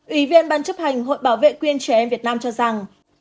ủy viên ban chấp hành hội bảo vệ quyền trẻ em việt nam cho rằng